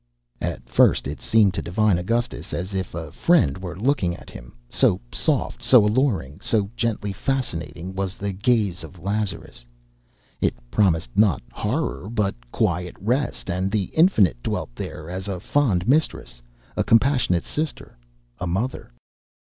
At first it seemed to divine Augustus as if a friend were looking at him, so soft, so alluring, so gently fascinating was the gaze of Lazarus. It promised not horror but quiet rest, and the Infinite dwelt there as a fond mistress, a compassionate sister, a mother.